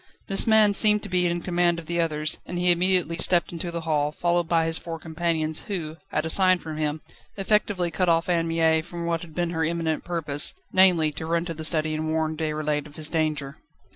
This man seemed to be in command of the others, and he immediately stepped into the hall, followed by his four companions, who at a sign from him, effectively cut off Anne Mie from what had been her imminent purpose namely, to run to the study and warn Déroulède of his danger.